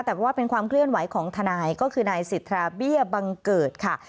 แต่ว่าเป็นความเคลื่อนไหวของทนายก็คือนายสิทธาเบี้ยบังเกิดค่ะ